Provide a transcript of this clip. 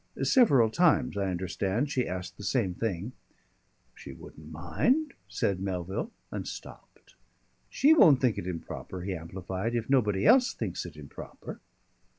Several times, I understand, she asked the same thing. "She wouldn't mind " said Melville, and stopped. "She won't think it improper," he amplified, "if nobody else thinks it improper."